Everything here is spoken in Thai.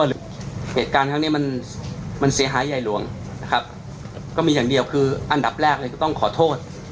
เหตุการณ์ครั้งนี้มันมันเสียหายใหญ่หลวงนะครับก็มีอย่างเดียวคืออันดับแรกเลยก็ต้องขอโทษ